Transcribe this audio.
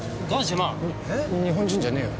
日本人じゃねえや。